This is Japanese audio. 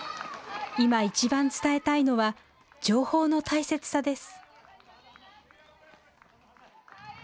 今、いちばん伝えたいのは情報の大切さです。